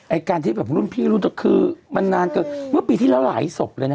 การที่แบบรุ่นพี่รู้จักคือมันนานเกินเมื่อปีที่แล้วหลายศพเลยนะ